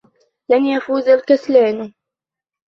لَنْ يَفُوزَ الْكَسْلاَنُ.